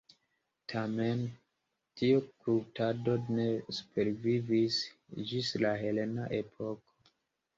Tamen, tiu kultado ne supervivis ĝis la helena epoko.